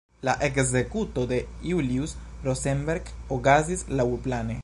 La ekzekuto de Julius Rosenberg okazis laŭplane.